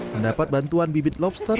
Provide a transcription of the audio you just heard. mendapat bantuan bibit lobster